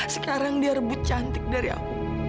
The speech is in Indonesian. sekarang dia rebut cantik dari aku